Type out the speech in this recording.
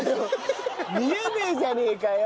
見えねえじゃねえかよ！